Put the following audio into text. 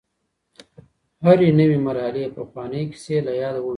هرې نوې مرحلې پخوانۍ کیسې له یاده وویستلې.